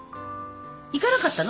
行かなかったの？